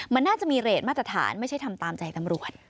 มันน่าจะมีเรทมาตรฐานไม่ใช่ทำตามใจตำรวจ